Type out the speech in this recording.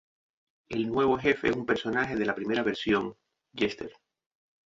El nuevo jefe es un personaje de la primera versión, Jester.